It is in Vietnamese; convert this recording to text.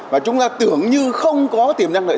và chúng ta tưởng như không có tiềm năng lợi